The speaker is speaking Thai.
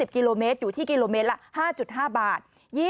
กิโลเมตรอยู่ที่กิโลเมตรละ๕๕บาท